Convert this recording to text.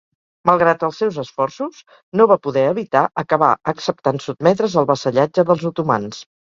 Malgrat els seus esforços, no va poder evitar acabar acceptant sotmetre's al vassallatge dels otomans.